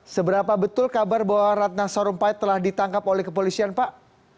seberapa betul kabar bahwa ratna sarumpait telah ditangkap oleh kepolisian pak